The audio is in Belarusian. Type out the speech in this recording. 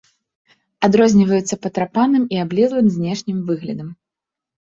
Адрозніваюцца патрапаным і аблезлым знешнім выглядам.